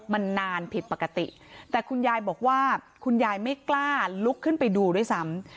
มันนานผิดปกติแต่คุณยายบอกว่าคุณยายไม่กล้าลุกขึ้นไปดูด้วยซ้ำ